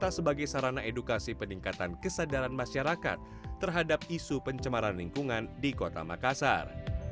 dan juga sebagai sarana edukasi peningkatan kesadaran masyarakat terhadap isu pencemaran lingkungan di kota makassar